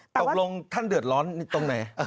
ตกลงท่านเดือดร้อนตรงไหน